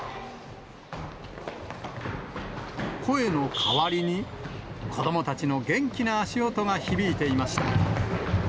声の代わりに、子どもたちの元気な足音が響いていました。